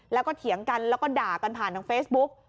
แล้วก็เถียงกันแล้วก็ด่ากันผ่านทางเฟซบุ๊ก